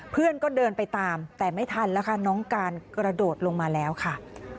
เพื่อนก็เดินไปตามแต่ไม่ทันแล้วค่ะน้องการกระโดดลงมาแล้วค่ะ